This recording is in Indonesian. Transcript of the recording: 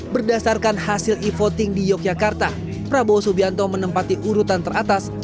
berdasarkan hasil e voting di yogyakarta prabowo subianto menempati urutan teratas